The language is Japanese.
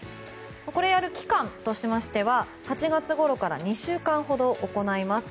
これをやる期間としましては８月ごろから２週間ほど行います。